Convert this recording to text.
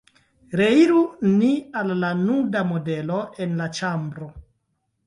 Reiru ni al la nuda modelo en la ĉambro.